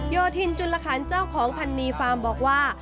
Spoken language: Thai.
โยธินจุลคันเจ้าของพันนีฟาร์มบอกว่า